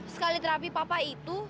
sekali terapi papa itu